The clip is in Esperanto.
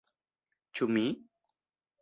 Ĉu mi!?